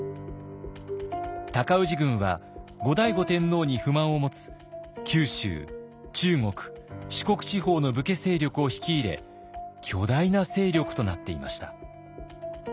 尊氏軍は後醍醐天皇に不満を持つ九州中国四国地方の武家勢力を引き入れ巨大な勢力となっていました。